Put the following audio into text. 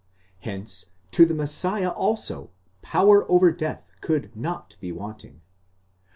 hence to the Messiah also power over death could not be wanting?